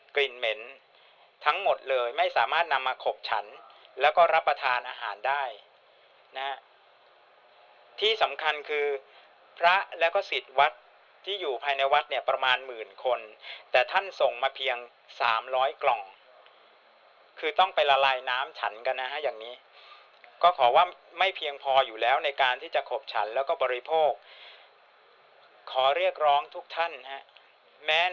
เหม็นทั้งหมดเลยไม่สามารถนำมาขบฉันแล้วก็รับประทานอาหารได้นะฮะที่สำคัญคือพระแล้วก็สิทธิ์วัดที่อยู่ภายในวัดเนี่ยประมาณหมื่นคนแต่ท่านส่งมาเพียง๓๐๐กล่องคือต้องไปละลายน้ำฉันกันนะฮะอย่างนี้ก็ขอว่าไม่เพียงพออยู่แล้วในการที่จะขบฉันแล้วก็บริโภคขอเรียกร้องทุกท่านฮะแม้